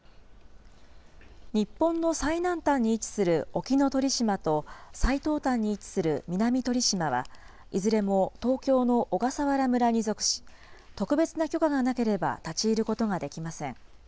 日本の最南端に位置する沖ノ鳥島と、最東端に位置する南鳥島は、いずれも東京の小笠原村に属し、特別な許可がなければ立ち入ることができません。